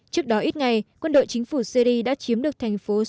trước đó ít ngày quân đội chính phủ syri đã chiếm được thành phố syd